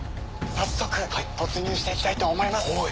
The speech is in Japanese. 早速突入して行きたいと思います。